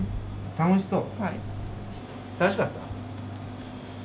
楽しそう！